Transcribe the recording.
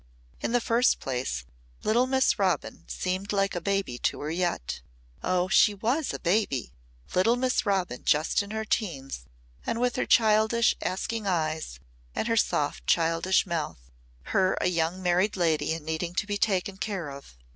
In the first place little Miss Robin seemed like a baby to her yet! Oh, she was a baby! Little Miss Robin just in her teens and with her childish asking eyes and her soft childish mouth! Her a young married lady and needing to be taken care of!